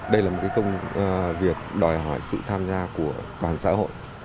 đây là một công việc đòi hỏi sự tham gia của toàn xã hội